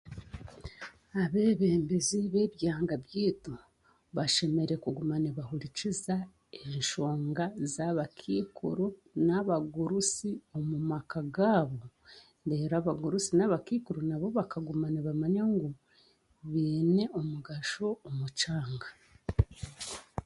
Abebembezi b'ebyanga byeitu bashemereire kuguma nibahurikiza enshonga z'abakaikuru n'abagurusi omumaka gabo reero abagurusi n'abakaikuru nabo bakaguma nibambanya ngu beine omugasho omu kyanga.